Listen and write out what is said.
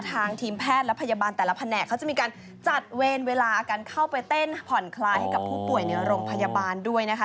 ทางทีมแพทย์และพยาบาลแต่ละแผนกเขาจะมีการจัดเวรเวลาการเข้าไปเต้นผ่อนคลายให้กับผู้ป่วยในโรงพยาบาลด้วยนะคะ